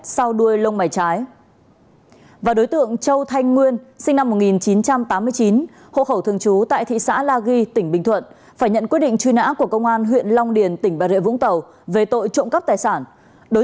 xin chào và hẹn gặp lại